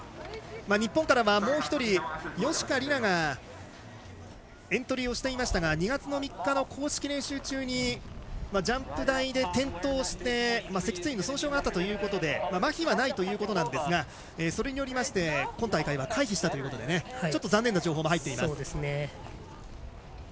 日本からはもう１人、芳家里菜がエントリーをしていましたが２月３日の公式練習中にジャンプ台で転倒して脊椎の損傷があったということでまひはないということですがそれによりまして今大会は回避したということで残念な情報も入っています。